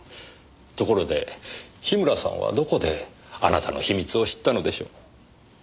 ところで樋村さんはどこであなたの秘密を知ったのでしょう？